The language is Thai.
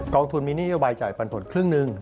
องทุนมีนโยบายจ่ายปันผลครึ่งหนึ่ง